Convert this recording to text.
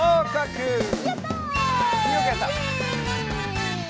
やった！